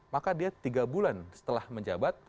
maka dia tiga bulan setelah menjabat